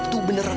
itu beneran ayo